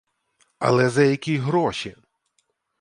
Але за які гроші?